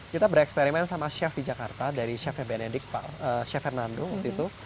kita bereksperimen sama chef di jakarta dari chefnya benedik chef fernando waktu itu